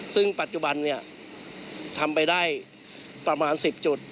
ซึ่งปัจจุบันทำไปได้ประมาณ๑๐จุด